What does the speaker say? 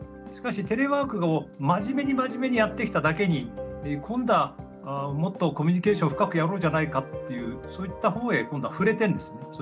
しかしテレワークを真面目に真面目にやってきただけに今度はもっとコミュニケーション深くやろうじゃないかっていうそういった方へ今度は振れてるんですね